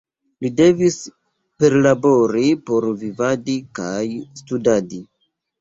Li devis perlabori por vivadi kaj studadi.